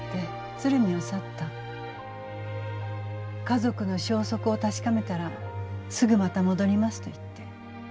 「家族の消息を確かめたらすぐまた戻ります」と言って。